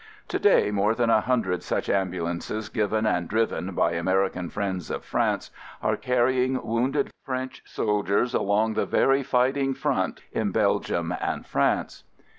To day more than a hundred such am bulances given and driven by American friends of France are carrying wounded French soldiers along the very fighting front in Belgium and France.